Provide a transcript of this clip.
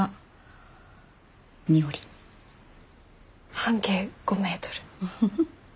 半径５メートル。